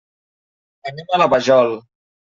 Anem a la Vajol.